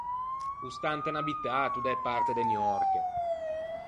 O sta inte un abitato da-e parte de Niòrche.